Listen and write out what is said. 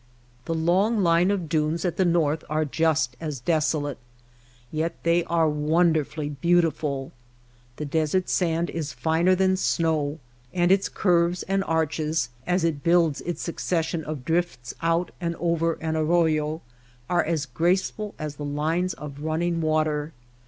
The long line of dunes at the north are just as desolate, yet they are wonderfully beautiful. The desert sand is finer than snow, and its curves and arches, as it builds its succession of drifts out and over an arroyo, are as graceful as the lines of running water.